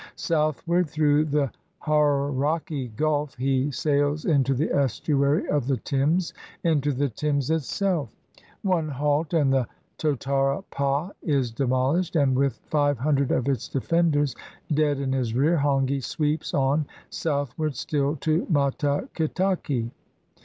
Southward, through the Hauraki Gulf, he sails into the estuary of the Thames, into the Thames it self. One halt, and the Totara pa is demolished, and with five hundred of its defenders dead in his rear Hongi sweeps on, southward still, to Matakitaki.